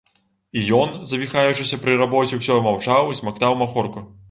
І ён, завіхаючыся пры рабоце, усё маўчаў і смактаў махорку.